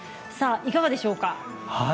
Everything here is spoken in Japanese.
いかがでしょうか。